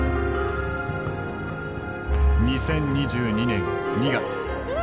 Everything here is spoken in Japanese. ２０２２年２月。